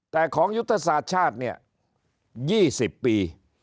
แต่ของยุทธศาสตร์ชาติเนี่ย๒๐ปี